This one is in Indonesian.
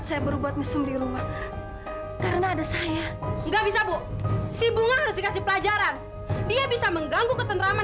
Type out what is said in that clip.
sampai jumpa di video selanjutnya